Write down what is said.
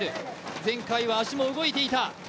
前回は足も動いていた。